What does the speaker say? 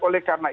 oleh karena itu